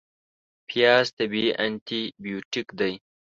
پیاز طبیعي انتي بیوټیک دی